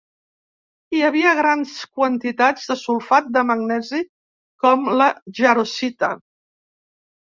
Hi havia grans quantitats de sulfat de magnesi com la jarosita.